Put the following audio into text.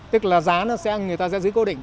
tức là giá nó sẽ ăn người ta giữ cố định